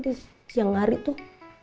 di siang hari tuh